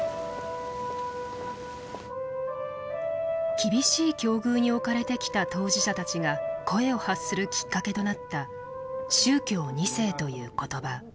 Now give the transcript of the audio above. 厳しい境遇に置かれてきた当事者たちが声を発するきっかけとなった宗教２世という言葉。